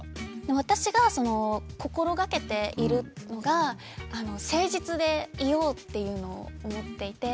私が心がけているのが誠実でいようっていうのを思っていて。